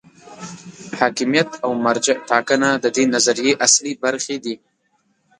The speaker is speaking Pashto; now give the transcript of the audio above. حاکمیت او مرجع ټاکنه د دې نظریې اصلي برخې دي.